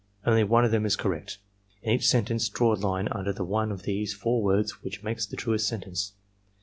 Only one of them is correct. In each sentence draw a line under the one of these four words which makes the truest sentence.